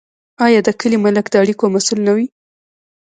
آیا د کلي ملک د اړیکو مسوول نه وي؟